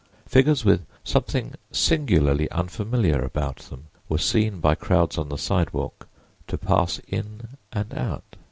Figures with something singularly unfamiliar about them were seen by crowds on the sidewalk to pass in and out.